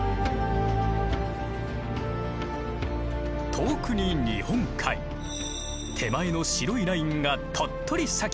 遠くに日本海手前の白いラインが鳥取砂丘だ！